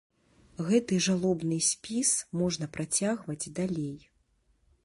Гэты жалобны спіс можна працягваць далей.